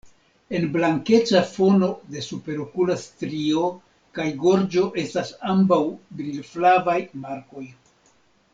En blankeca fono de superokula strio kaj gorĝo estas ambaŭ brilflavaj markoj.